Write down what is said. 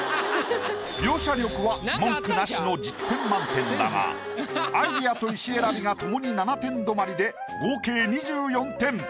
描写力は文句なしの１０点満点だがアイディアと石選びが共に７点止まりで合計２４点。